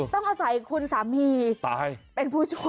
ต้องอาศัยคุณสามีเป็นผู้ช่วย